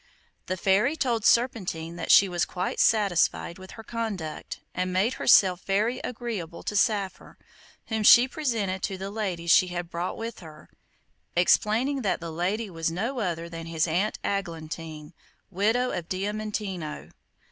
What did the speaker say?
The fairy told Serpentine that she was quite satisfied with her conduct, and made herself very agreeable to Saphir, whom she presented to the lady she had brought with her, explaining that the lady was no other than his Aunt Aglantine, widow of Diamantino.